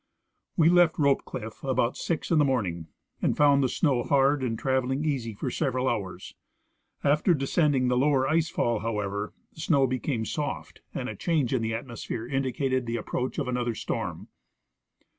We left Rope cliff about six in the morning, and found the snow hard and traveling easy for several hours. After descend ing the lower ice fall, however, the snow became soft, and a change in the atmosphere indicated the approach of another storm.